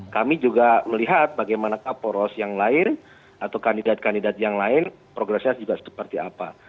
kami juga melihat bagaimana poros yang lain atau kandidat kandidat yang lain progresnya juga seperti apa